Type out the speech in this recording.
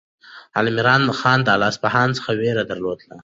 علیمردان خان له اصفهان څخه وېره درلوده.